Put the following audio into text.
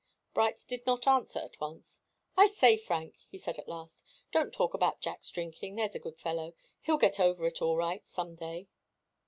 Bright did not answer at once. "I say, Frank," he said at last, "don't talk about Jack's drinking there's a good fellow. He'll get over it all right, some day."